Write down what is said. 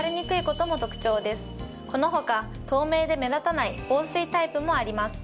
この他透明で目立たない防水タイプもあります。